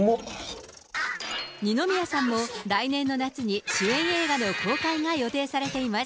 二宮さんも、来年の夏に主演映画の公開が予定されています。